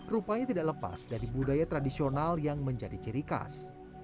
rupanya tidak lepas dari budaya tradisional yang menjadi ciri khas